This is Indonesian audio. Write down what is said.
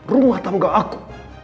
rumah teman aku